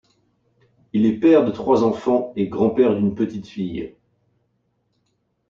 Il est père de trois enfants et grand-père d'une petite-fille.